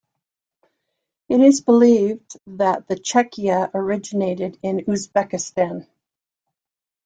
It is believed that the chechia originated in Uzbekistan.